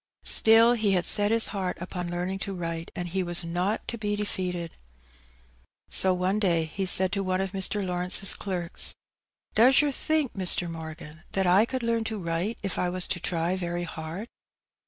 Still he had set his heart upon learning to write, and he was not to be defeated. So one day he said to one of Mr, Lawrence^s clerks — ^^Does yer think, Mr. Morgan, that I could learn to write if I was to try very hard